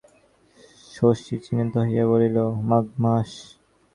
শশী চিন্তিত হইয়া বলিল, মাঘ মাস?